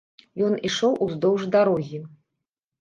Ён ішоў уздоўж дарогі.